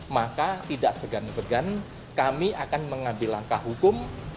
maka tidak segan segan kami akan mengambil langkah hukum